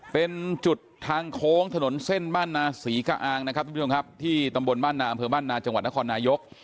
เป็นจุดทางโค้งถนนเส้นบ้านนาศรีกะอ้างที่ตำบลบ้านนาอำเภอบ้านนาจังหวัดนครนายก